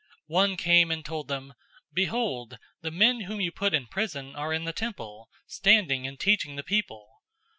005:025 One came and told them, "Behold, the men whom you put in prison are in the temple, standing and teaching the people."